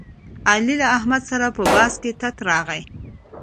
علي له احمد سره په بحث کې تت راغلی.